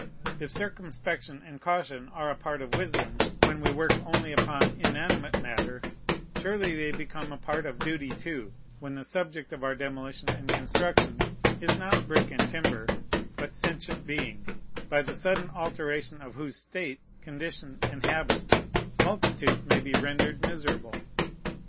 If circumspection and caution are a part of wisdom, when we work only upon inanimate matter, surely they become a part of duty too, when the subject of our demolition and construction is not brick and timber, but sentient beings, by the sudden alteration of whose state, condition, and habits, multitudes may be rendered miserable.